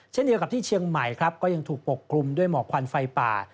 เช่นเดียวกับที่เชียงใหม่ครับก็ยังถูกปกคลุมด้วยหมอกควันไฟป่า